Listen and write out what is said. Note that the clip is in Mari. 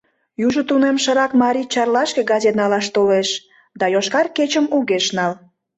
Южо тунемшырак марий Чарлашке газет налаш толеш да «Йошкар кечым» огеш нал.